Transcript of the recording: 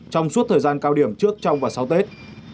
trong suốt thời gian cao điểm trước trong và sau tết